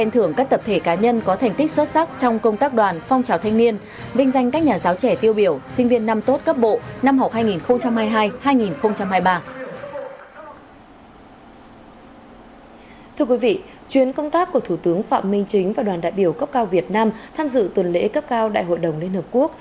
thưa quý vị chuyến công tác của thủ tướng phạm minh chính và đoàn đại biểu cấp cao việt nam tham dự tuần lễ cấp cao đại hội đồng liên hợp quốc